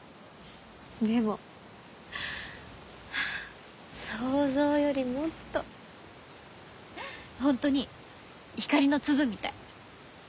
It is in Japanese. でもはあ想像よりもっと本当に光の粒みたい。